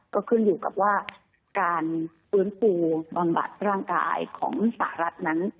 ก็ขึ้นอยู่กับว่าการฟื้นฟูบำบัดร่างกายของสหรัฐนั้น